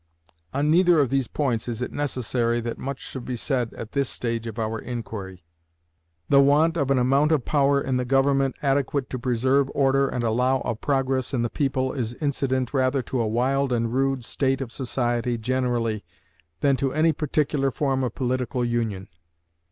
On neither of these points is it necessary that much should be said at this stage of our inquiry. The want of an amount power in the government adequate to preserve order and allow of progress in the people is incident rather to a wild and rude state of society generally than to any particular form of political union.